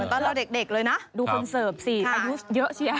ตอนเราเด็กเลยนะดูคนเสิร์ฟสิอายุเยอะเชีย